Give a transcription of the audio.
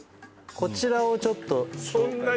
こちらをちょっと紹介